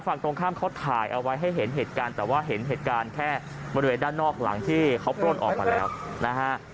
ฝั่งตรงข้ามเขาถ่ายเอาไว้ให้เห็นเหตุการณ์แต่ว่าเห็นเหตุการณ์แค่บริเวณด้านนอกหลังที่เขาปล้นออกมาแล้วนะฮะ